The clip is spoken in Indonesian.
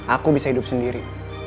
aku bisa hidup sendiri